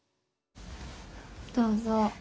どうぞ。